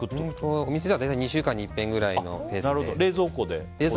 お店だと２週間に１回ぐらいのペースで。